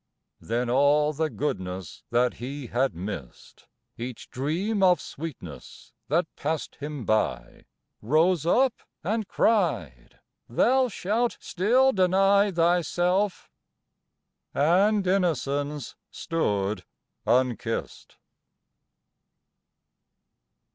Then all the goodness that he had missed, Each dream of sweetness that passed him by, Rose up, and cried: "Thou shalt still deny Thyself"—and Innocence stood unkissed.